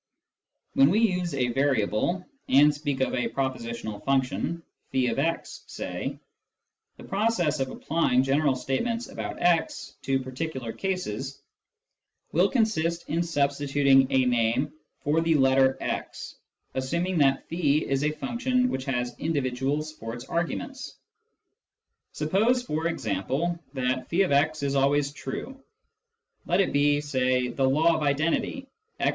When we use a variable, and speak of a propositional function, <f>x say, the process of applying general statements about x to particular cases will consist in substituting a name for the letter " x," assuming that is a function which has individuals for its arguments. Suppose, for example, that (f>x is " always true "; f '"' 1 let it be, say, the " law of identity," x=x.